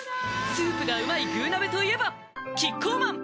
スープがうまい「具鍋」といえばキッコーマン